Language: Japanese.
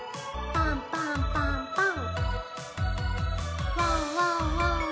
パンパンパンパン。